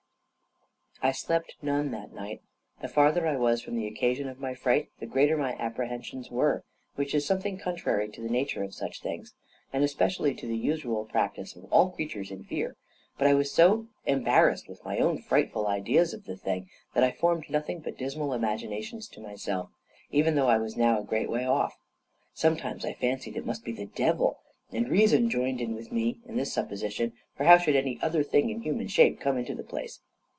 I slept none that night; the farther I was from the occasion of my fright, the greater my apprehensions were, which is something contrary to the nature of such things, and especially to the usual practice of all creatures in fear; but I was so embarrassed with my own frightful ideas of the thing, that I formed nothing but dismal imaginations to myself, even though I was now a great way off. Sometimes I fancied it must be the devil, and reason joined in with me in this supposition, for how should any other thing in human shape come into the place?